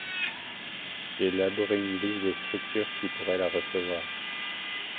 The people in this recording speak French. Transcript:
J’ai élaboré une liste des structures qui pourrait la recevoir.